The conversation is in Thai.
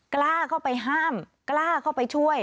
กล้าเข้าไปห้ามกล้าเข้าไปช่วย